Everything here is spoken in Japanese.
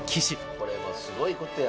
これはすごいことや。